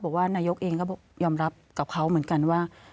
บอกว่านายกเองก็ยอมรับกับเขาเหมือนกันว่า